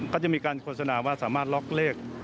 ก็จะมีการโฆษณาว่าสามารถล็อกเลข